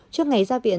trước ngày ra viện